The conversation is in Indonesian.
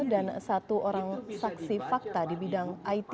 dan satu orang saksi fakta di bidang it